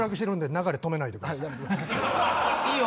いいよ！